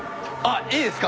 いいですか？